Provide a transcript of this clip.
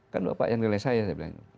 kan bapak yang gelesih